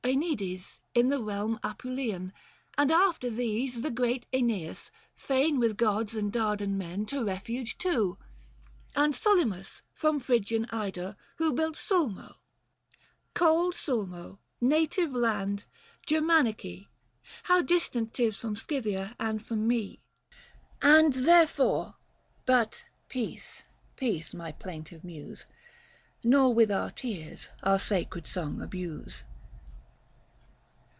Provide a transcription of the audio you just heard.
(Enides — in the realm Apulian : 85 And after these, the great iEneas, fain With gods and Dardan men to refuge too. And Solymus from Phrygian Ida — who Built Sulmo —" Cold Sulmo ! native land ! Germanice, 90 How distant 'tis from Scythia and from me ; And therefore — but peace, peace, my plaintive muse Nor with our tears our sacred song abuse."